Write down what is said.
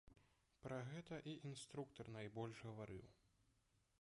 Пра гэта і інструктар найбольш гаварыў.